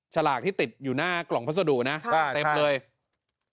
ฉลากที่ติดอยู่หน้ากล่องพัสดุนะเต็มเลย